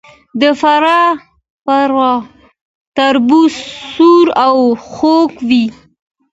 د فراه تربوز سور او خوږ وي.